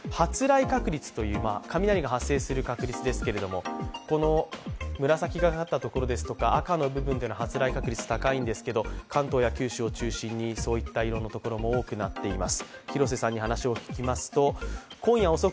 発雷確率という雷が発生する確率ですけれども紫がかったところですとか赤の部分というのは発雷確率が高いんですけど関東や九州を中心にそういった色のところも多くなっています。